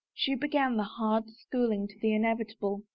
She began the hard schooling to the inevi table.